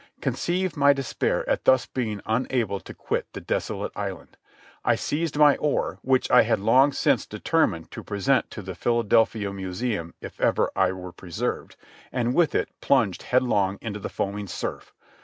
Conceive my despair at thus being unable to quit the desolate island. I seized my oar (which I had long since determined to present to the Philadelphia Museum if ever I were preserved) and with it plunged headlong into the foaming surf.